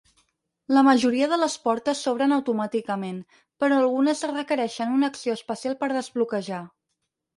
La majoria de les portes s'obren automàticament, però algunes requereixen una acció especial per desbloquejar.